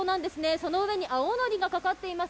その上に青のりがかかっています。